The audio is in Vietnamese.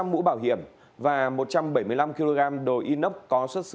một trăm linh mũ bảo hiểm và một trăm bảy mươi năm kg đồ inox có xuất xứ